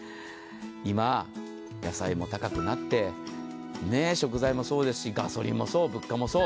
今、野菜も高くなって、食材もそうですし、ガソリンもそう、物価もそう。